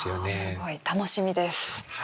すごい楽しみです。